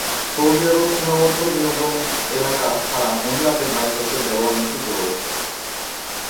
Saudi আরব সীমাবদ্ধ বিনোদন এলাকা ছাড়া মহিলাদের বাইসাইকেল ব্যবহার নিষিদ্ধ করেছে।